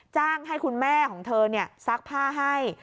จ้างให้คุณแม่ของเธอซักผ้าให้